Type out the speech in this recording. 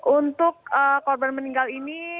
untuk korban meninggal ini